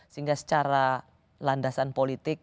sehingga secara landasan politik